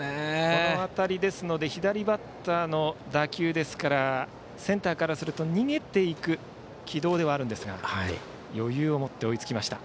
この当たりですので左バッターの打球ですからセンターからすると逃げていく軌道ではあるんですが余裕を持って追いつきました。